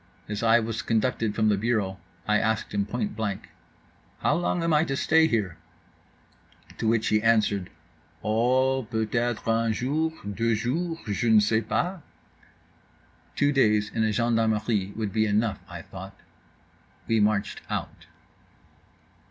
As I was conducted from the bureau I asked him point blank: "How long am I to stay here?"—to which he answered "Oh, peut être un jour, deux jours, je ne sais pas." Two days in a gendarmerie would be enough, I thought. We marched out.